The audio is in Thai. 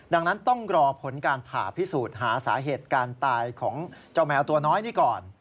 ดังนั้นต้องรอผลการผ่าพิสูจน์หาสาเหตุการตายของเจ้าแมวตัวน้อยนี้ก่อน